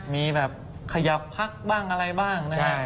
มีแบบขยับพักบ้างอะไรบ้างนะครับ